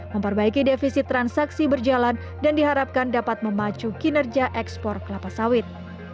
memperbaiki defisit transaksi berjalan dan diharapkan dapat memacu kinerja ekspor kelapa sawit